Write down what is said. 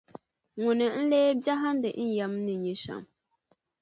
Ŋuni n-lee bɛhindi n yɛm ni nyɛ shɛm?